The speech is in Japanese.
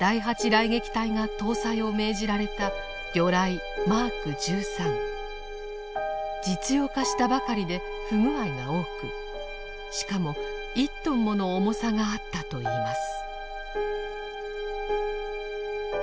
雷撃隊が搭載を命じられた実用化したばかりで不具合が多くしかも１トンもの重さがあったといいます。